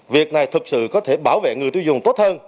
việc này thực sự có thể bảo vệ người tiêu dùng tốt hơn